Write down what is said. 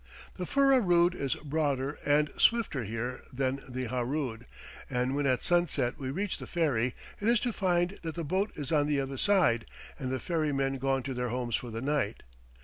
The Furrah Rood is broader and swifter here than the Harood, and when at sunset we reach the ferry, it is to find that the boat is on the other side and the ferrymen gone to their homes for the night.